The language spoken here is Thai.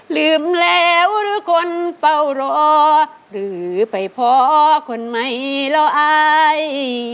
ลืมแล้วหรือคนเฝ้ารอหรือไปพอคนใหม่เราอาย